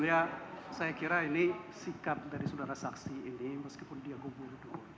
ya saya kira ini sikap dari saudara saksi ini meskipun dia gugur